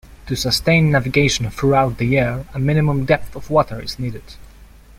To sustain navigation throughout the year a minimum depth of water is needed.